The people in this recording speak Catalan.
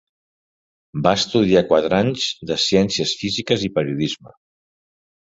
Va estudiar quatre anys de Ciències Físiques i Periodisme.